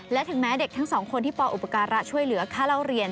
และถึงแม้เด็กทั้งสองคนที่ปอุปการะช่วยเหลือค่าเล่าเรียน